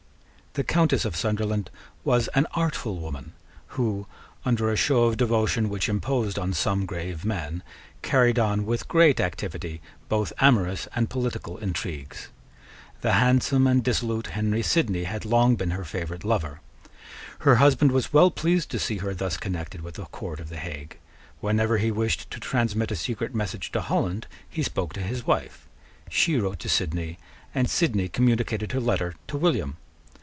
The Countess of Sunderland was an artful woman, who, under a show of devotion which imposed on some grave men, carried on, with great activity, both amorous and political intrigues. The handsome and dissolute Henry Sidney had long been her favourite lover. Her husband was well pleased to see her thus connected with the court of the Hague. Whenever he wished to transmit a secret message to Holland, he spoke to his wife: she wrote to Sidney; and Sidney communicated her letter to William.